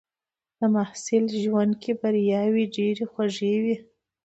د محصل ژوند کې بریاوې ډېرې خوږې وي.